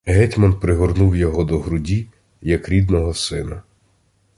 Гетьман пригорнув його до груді, як рідного сина.